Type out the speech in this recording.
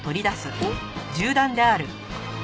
おっ？